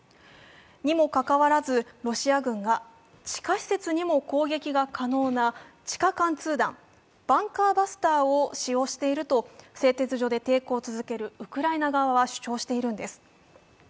にもかかわらずロシア軍が地下施設にも攻撃が可能な地下貫通弾、バンカーバスターを使用していると製鉄所で抵抗を続けるウクライナ側は主張しているんです。